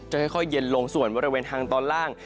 ค่อยเย็นลงส่วนบริเวณทางตอนล่าง